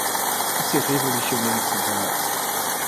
Tous ces révolutionnaires sont relaps.